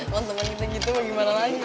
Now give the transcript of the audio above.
kalo temen kita gitu gimana lagi